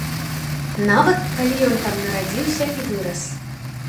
Нават, калі ён там нарадзіўся і вырас.